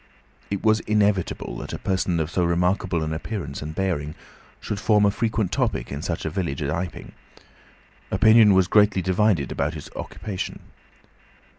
It was inevitable that a person of so remarkable an appearance and bearing should form a frequent topic in such a village as Iping. Opinion was greatly divided about his occupation.